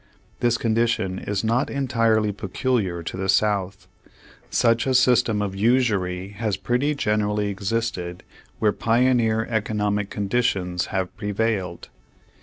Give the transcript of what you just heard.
This condition is not entirely peculiar to the South. Such a system of usury has pretty generallj^ existed where pioneer economic condi tions have prevailed.